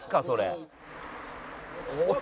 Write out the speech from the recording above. それ。